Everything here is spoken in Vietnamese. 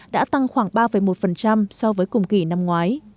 đã tăng khoảng ba một so với cùng kỳ năm ngoái